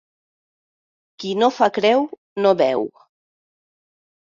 Qui no fa creu, no beu.